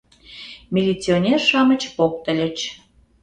— Милиционер-шамыч поктыльыч.